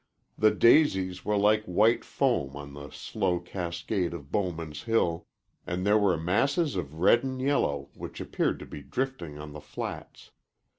The daisies were like white foam on the slow cascade of Bowman's Hill, and there were masses of red and yellow which appeared to be drifting on the flats.